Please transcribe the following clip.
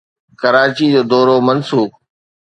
ڪراچي جو دورو منسوخ